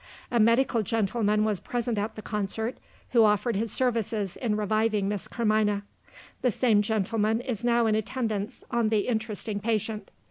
A medical gentleman was present at the concert, who offered his services in reviving Miss Carmina. The same gentleman is now in attendance on the interesting patient.